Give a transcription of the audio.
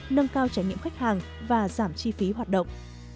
nâng cao trải nghiệm khách hàng và giảm chi phí hoạt động